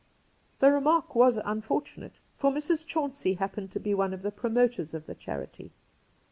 The remark was unfortunate, for Mrs. Chauncey happened to be one of the promoters of the charity.